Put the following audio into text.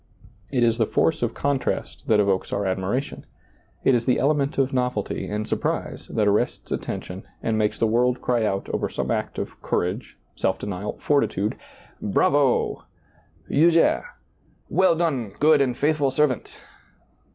It is the force of contrast that evokes our admiration ; it is the element of novelty and surprise that arrests attention and makes the world cry out over some act of cour age, self denial, fortitude :" Bravo !"" Euge .'" "Well done, good and faithful servant!"